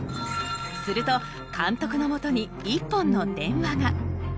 すると監督のもとに１本の電話が。